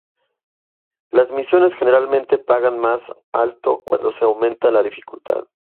Las misiones generalmente pagan más alto cuando se aumenta la dificultad.